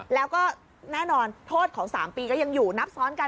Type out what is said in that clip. แล้วก็แน่นอนโทษของ๓ปีก็ยังอยู่นับซ้อนกัน